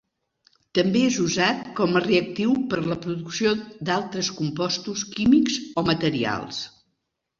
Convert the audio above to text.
També és usat com a reactiu per a la producció d'altres compostos químics o materials.